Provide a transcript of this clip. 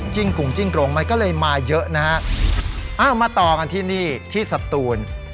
กรุงจิ้งกรงมันก็เลยมาเยอะนะฮะอ้าวมาต่อกันที่นี่ที่สตูน